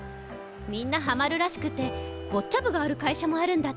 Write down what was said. みんなハマるらしくてボッチャ部がある会社もあるんだって。